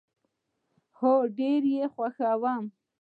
هو، ډیر یي خوښوم